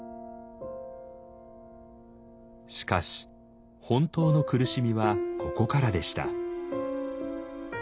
しかし本当の苦しみはここからでした。